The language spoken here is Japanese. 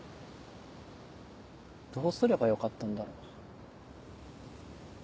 どうすればよかったんだろ。